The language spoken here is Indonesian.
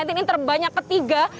ini terbanyak ketiga